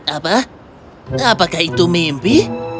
apa apakah itu mimpi